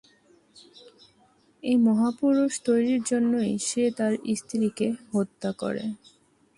এই মহাপুরুষ তৈরির জন্যই সে তার স্ত্রীকে হত্যা করে।